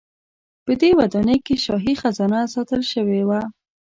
په دې ودانۍ کې شاهي خزانه ساتل شوې وه.